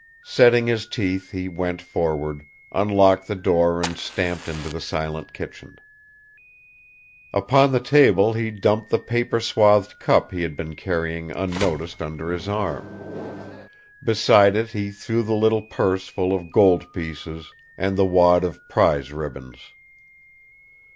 Setting his teeth he went forward, unlocked the door and stamped into the silent kitchen. Upon the table he dumped the paper swathed cup he had been carrying unnoticed under his arm. Beside it he threw the little purse full of gold pieces and the wad of prize ribbons.